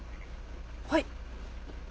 はい。